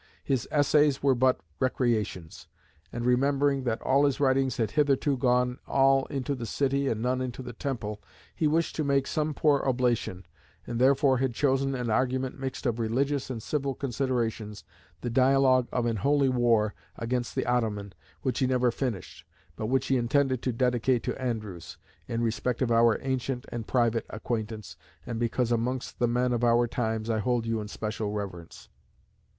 His Essays were but "recreations;" and remembering that all his writings had hitherto "gone all into the City and none into the Temple," he wished to make "some poor oblation," and therefore had chosen an argument mixed of religious and civil considerations, the dialogue of "an Holy War" against the Ottoman, which he never finished, but which he intended to dedicate to Andrewes, "in respect of our ancient and private acquaintance, and because amongst the men of our times I hold you in special reverence."